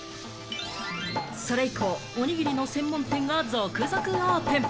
それ以降、おにぎりの専門店が続々オープン。